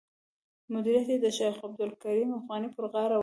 مدیریت یې د شیخ عبدالکریم افغاني پر غاړه و.